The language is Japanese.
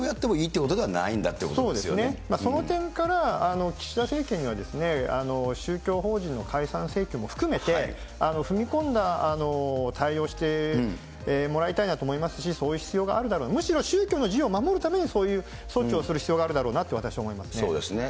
その点から、岸田政権がですね、宗教法人の解散請求も含めて、踏み込んだ対応をしてもらいたいなと思いますし、そういう必要があるだろう、むしろ宗教の自由を守るために、そういう措置をする必要があるだろうなと私は思いまそうですね。